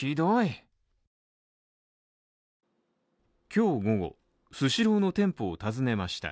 今日午後、スシローの店舗を訪ねました。